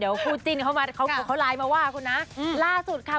เดี๋ยวคู่จิ้นเขาอีกแล้วไลน์มอร์ดมาว่าก็ล่าสุดค่ะ